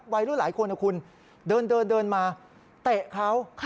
วัยรุ่นหลายคนนะคุณเดินมาเตะเขา